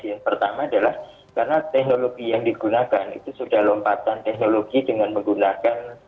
yang pertama adalah karena teknologi yang digunakan itu sudah lompatan teknologi dengan menggunakan